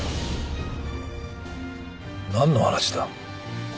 なんの話だ？